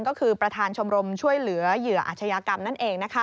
ก็คือประธานชมรมช่วยเหลือเหยื่ออาชญากรรมนั่นเอง